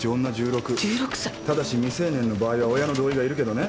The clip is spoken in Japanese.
ただし未成年の場合は親の同意がいるけどね。